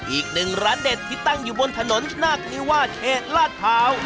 อีกหนึ่งร้านเด็ดที่ตั้งอยู่บนถนนนาคนิวาสเขตลาดพร้าว